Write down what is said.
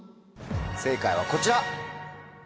正解はこちら！